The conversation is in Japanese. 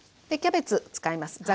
でキャベツ使います。